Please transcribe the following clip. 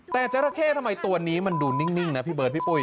แต่จราเข้ทำไมตัวนี้มันดูนิ่งนะพี่เบิร์ดพี่ปุ้ย